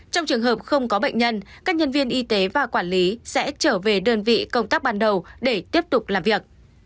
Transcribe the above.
trong trường hợp không có bệnh nhân các nhân viên y tế và quản lý sẽ trở về đơn vị công tác ban đầu để tiếp tục làm việc